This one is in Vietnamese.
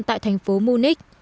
tại thành phố munich